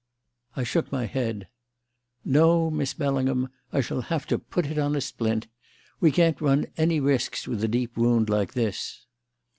I shook my head. "No, Miss Bellingham. I shall have to put it on a splint. We can't run any risks with a deep wound like this."